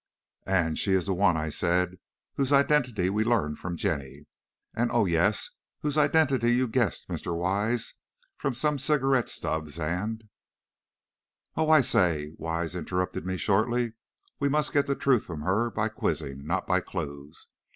"And she is the one," I said, "whose identity we learned from Jenny and, oh, yes, whose identity you guessed, Mr. Wise, from some cigarette stubs, and " "Oh, I say," Wise interrupted me, shortly, "we must get the truth from her by quizzing, not by clews.